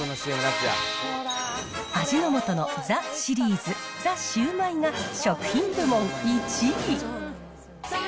味の素のザシリーズ、ザ・シュウマイが食品部門１位。